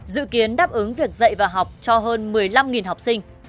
dự kiến đáp ứng việc dạy và học cho hơn một mươi năm học sinh